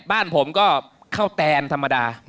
บ้านผมก็ข้าวแตนธรรมดา